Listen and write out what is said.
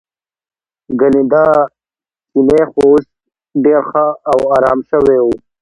ګنې دا چینی خو اوس ډېر ښه او ارام شوی و.